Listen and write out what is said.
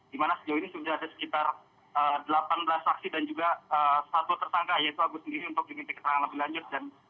di mana sejauh ini sudah ada sekitar delapan belas saksi dan juga satu tersangka yaitu agus sendiri untuk diminta keterangan lebih lanjut